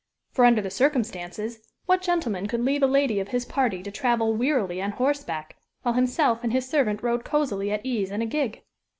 For, under the circumstances, what gentleman could leave a lady of his party to travel wearily on horseback, while himself and his servant rode cosily at ease in a gig?